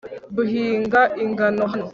duhinga ingano hano